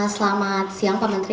selamat siang pak menteri